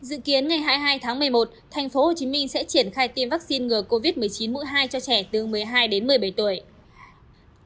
dự kiến ngày hai mươi hai tháng một mươi một tp hcm sẽ triển khai tiêm vaccine ngừa covid một mươi chín mũi hai cho trẻ từ một mươi hai đến một mươi bảy tuổi